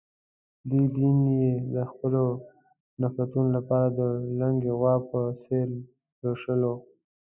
دوی دین یې د خپلو نفرتونو لپاره د لُنګې غوا په څېر لوشلو.